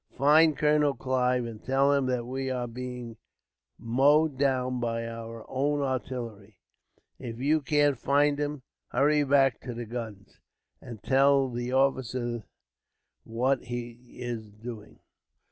"Find Colonel Clive, and tell him that we are being mowed down by our own artillery. If you can't find him, hurry back to the guns, and tell the officer what he is doing."